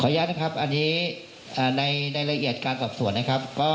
ขออนุญาตนะครับอันนี้ในละเอียดการสอบส่วนนะครับ